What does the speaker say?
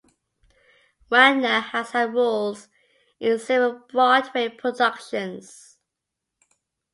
Wagner has had roles in several Broadway productions.